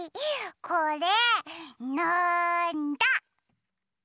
これなんだ？